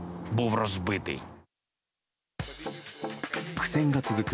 苦戦が続く